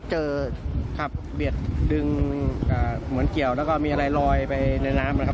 ขับเบียดดึงเหมือนเกี่ยวแล้วก็มีอะไรลอยไปในน้ำนะครับ